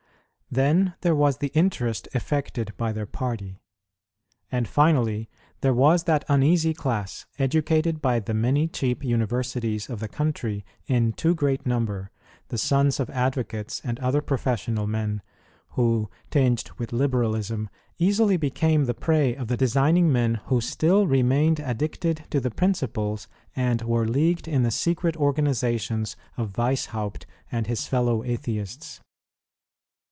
Then, there was the interest effected by their party. And finally, there was that uneasy class, educated by the many cheap universities of the country in too great number, the sons of advocates and other professional men, who, tinged with liberalism, easily became the prey of the designing men who still remained addicted to the principles and were leagued in the secret organizations of Wieshaupt and his fellow Atheists.